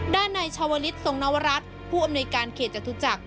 ด้านในชาวลิศทรงนวรัฐผู้อำนวยการเขตจตุจักร